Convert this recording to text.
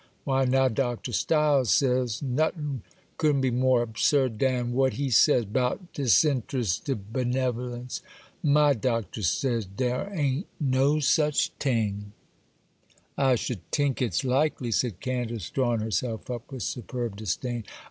Why, now, Dr. Stiles says, notin' couldn't be more absurd dan what he says 'bout disinterested benevolence. My Doctor says, dere a'n't no such ting!' 'I should tink it's likely!' said Candace, drawing herself up with superb disdain.